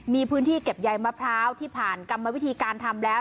มีพื้นที่เก็บใยมะพร้าวที่ผ่านกรรมวิธีการทำแล้ว